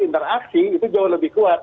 interaksi itu jauh lebih kuat